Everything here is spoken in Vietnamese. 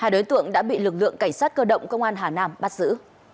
hai đối tượng đã bị lực lượng cảnh sát cơ động công an hà nam bắt giữ